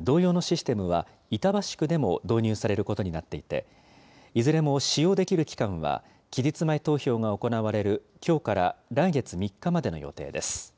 同様のシステムは、板橋区でも導入されることになっていて、いずれも使用できる期間は、期日前投票が行われるきょうから来月３日までの予定です。